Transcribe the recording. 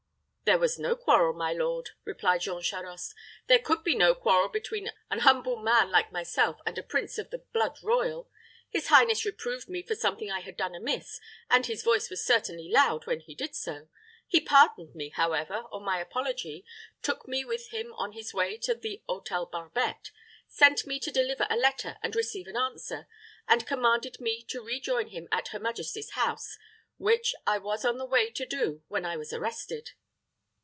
"There was no quarrel, my lord," replied Jean Charost; "there could be no quarrel between an humble man like myself and a prince of the blood royal. His highness reproved me for something I had done amiss, and his voice was certainly loud when he did so. He pardoned me, however, on my apology, took me with him on his way to the Hôtel Barbette, sent me to deliver a letter and receive an answer, and commanded me to rejoin him at her majesty's house, which I was on the way to do when I was arrested."